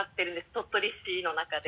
鳥取市の中で。